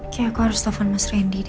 kayak aku harus telepon mas randy